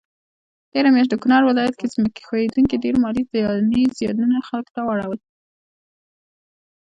تيره مياشت د کونړ ولايت کي ځمکي ښویدني ډير مالي ځانی زيانونه خلکوته واړول